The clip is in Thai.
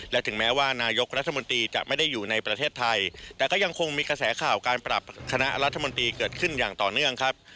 และถึงแม้ว่านายกรัฐมนตรีจะไม่ได้อยู่ในประเทศไทยแต่ก็ยังคงมีกระแสข่าวการปรับคณะรัฐมนตรีเกิดขึ้นอย่างต่อเนื่องครับ